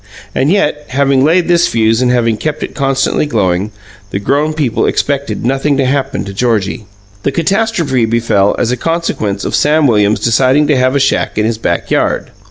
And yet, having laid this fuse and having kept it constantly glowing, the grown people expected nothing to happen to Georgie. The catastrophe befell as a consequence of Sam Williams deciding to have a shack in his backyard.